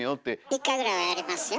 １回ぐらいはやりますよ。